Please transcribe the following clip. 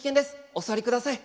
お座りください。